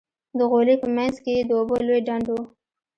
د غولي په منځ کښې يې د اوبو لوى ډنډ و.